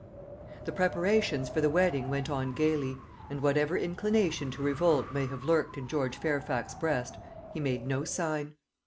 The preparations for the wedding went on gaily, and whatever inclination to revolt may have lurked in George Fairfax's breast, he made no sign.